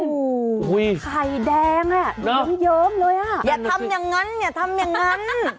อู๊ไข่แดงอ่ะูยมเยิ๊มเลยอ่ะอันนาคนี้อย่าทำอย่างนั้นอย่าทำอย่างนั้น